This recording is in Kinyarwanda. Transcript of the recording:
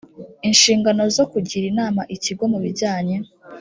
inshingano zo kugira inama ikigo mu bijyanye